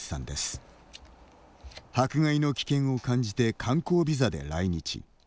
迫害の危険を感じて観光ビザで来日。